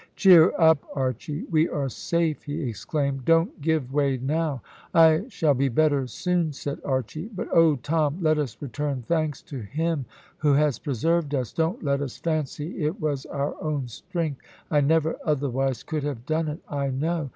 "Cheer up, Archy; we are safe," he exclaimed. "Don't give way now." "I shall be better soon," said Archy; "but oh! Tom, let us return thanks to Him who has preserved us. Don't let us fancy it was our own strength. I never otherwise could have done it, I know."